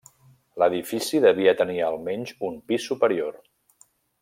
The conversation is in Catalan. L'edifici devia tenir almenys un pis superior.